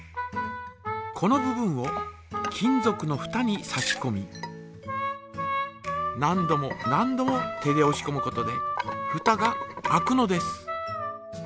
この部分を金ぞくのふたに差しこみ何度も何度も手でおしこむことでふたが開くのです。